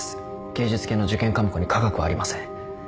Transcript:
芸術系の受験科目に化学はありません。